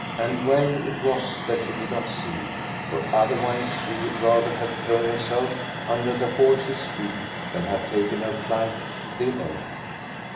And well it was that she did not see, for otherwise she would rather have thrown herself under the horses' feet than have taken her flight thither.